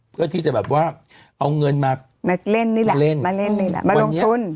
เพื่อที่จะแบบว่าเอาเงินมาเล่นมาลงทุน